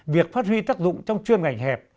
việc phát huy tác dụng trong chuyên ngành hẹp